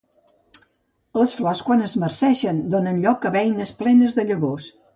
Les flors, quan es marceixen, donen lloc a beines plenes de llavors.